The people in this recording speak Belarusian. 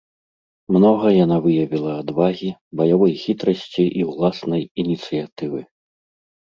Многа яна выявіла адвагі, баявой хітрасці і ўласнай ініцыятывы.